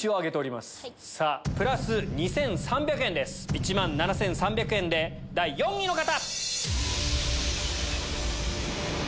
１万７３００円で第４位の方！